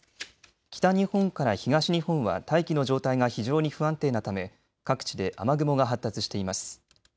北日本から東日本は大気の状態が非常に不安定なため各地で雨雲が発達しています。